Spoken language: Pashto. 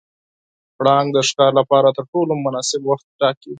پړانګ د ښکار لپاره تر ټولو مناسب وخت ټاکي.